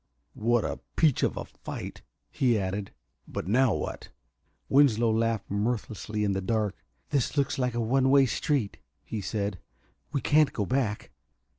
"What a peach of a fight," he added. "But now what?" Winslow laughed mirthlessly in the dark. "This looks like a one way street," he said. "We can't go back.